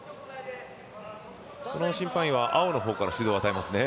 この審判員は青の方から指導を与えますね。